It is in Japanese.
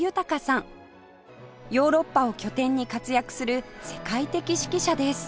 ヨーロッパを拠点に活躍する世界的指揮者です